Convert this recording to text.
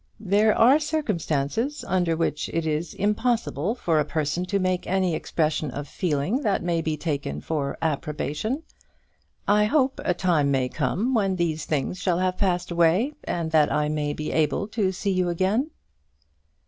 "There are circumstances under which it is impossible for a person to make any expression of feeling that may be taken for approbation. I hope a time may come when these things shall have passed away, and that I may be able to see you again."